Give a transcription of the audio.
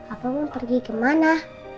apa mau pergi ke mana